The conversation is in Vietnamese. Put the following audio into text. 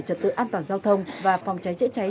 trật tự an toàn giao thông và phòng cháy chữa cháy